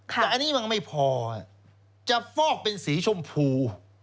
แต่อันนี้มันไม่พอจะฟอกเป็นสีชมพู